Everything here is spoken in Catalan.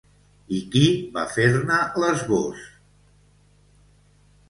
I qui va fer-ne l'esbós?